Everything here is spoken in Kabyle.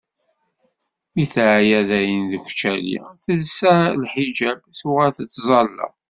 Mi teɛya dayen deg ucali, telsa lḥiǧab, tuɣal tettẓalla.